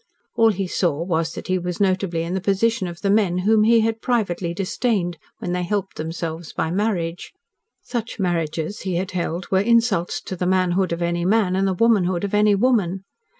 All he saw was that he was notably in the position of the men whom he had privately disdained when they helped themselves by marriage. Such marriages he had held were insults to the manhood of any man and the womanhood of any woman.